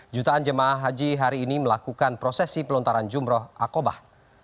jutaan jemaah haji hari ini melakukan prosesi pelontaran jumroh akobah